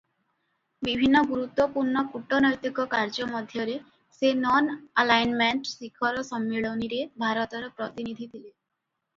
ବିଭିନ୍ନ ଗୁରୁତ୍ୱପୂର୍ଣ୍ଣ କୂଟନୈତିକ କାର୍ଯ୍ୟ ମଧ୍ୟରେ ସେ ନନ-ଆଲାଇନମେଣ୍ଟ ଶିଖର ସମ୍ମିଳନୀରେ ଭାରତର ପ୍ରତିନିଧି ଥିଲେ ।